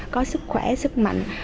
có sức khỏe sức mạnh